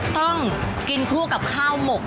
ต้องกินคู่กับข้าวหมก